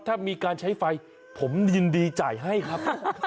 ถ้ามีการใช้ไฟผมยินดีจ่ายให้ครับ